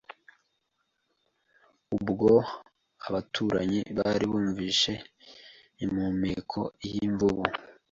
Ubwo abaturanyi bari bumvise impumeko y'imvubu